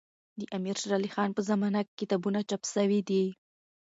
د امير شېر علي خان په زمانه کي کتابونه چاپ سوي دي.